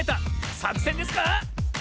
さくせんですか